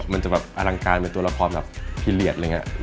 มันจะแบบอลังการเป็นตัวละครแบบพิเลียดอะไรอย่างนี้